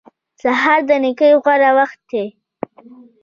سهار د نېکۍ غوره وخت دی.